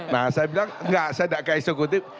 nah saya bilang enggak saya tidak ke eksekutif